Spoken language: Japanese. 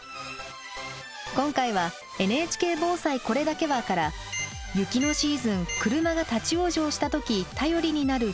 今回は「ＮＨＫ防災これだけは」から雪のシーズン車が立往生した時頼りになるツイッター情報について。